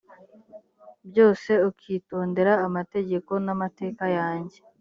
byose ukitondera amategeko n amateka yanjye